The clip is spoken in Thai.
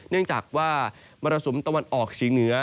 เนื่องจากว่ามรศมตะวันออกชีวิตเหนือ